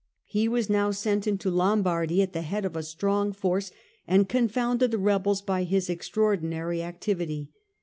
He was now sent into Lombardy at the head of a strong force, and con founded the rebels by his extraordinary activity.